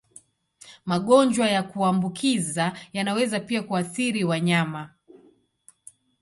Magonjwa ya kuambukiza yanaweza pia kuathiri wanyama.